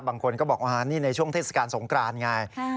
บางคนก็บอกว่านี่ในช่วงเทศกาลสงกรานไง